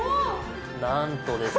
なんとです。